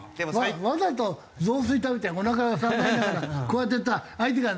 わざと雑炊食べておなか押さえながらこうやってやったら相手がな